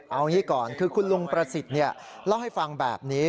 เอางี้ก่อนคือคุณลุงประสิทธิ์เล่าให้ฟังแบบนี้